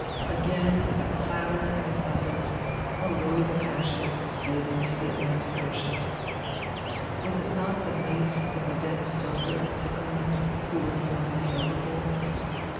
Again, with a clatter and a thunder, a load of ashes slid into the Atlantic Ocean. Was it not the mates of the dead stoker, Zickelmann, who were throwing it overboard?